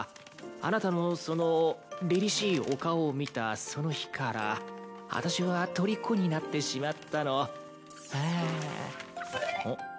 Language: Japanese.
「あなたのそのりりしいお顔をみたその日からあたしはとりこになってしまったの」はああ。